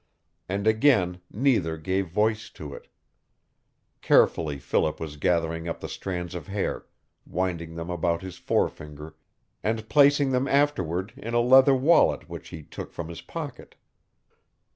And again neither gave voice to it. Carefully Philip was gathering up the strands of hair, winding them about his forefinger, and placing them afterward in a leather wallet which he took from his pocket.